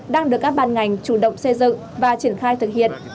đang được các ban ngành chủ động xây dựng và triển khai thực hiện